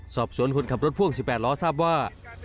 สอบสวนคนขับรถพ่วง๑๘ล้อทราบว่า